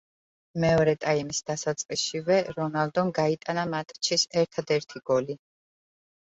მეორე ტაიმის დასაწყისშივე რონალდომ გაიტანა მატჩის ერთადერთი გოლი.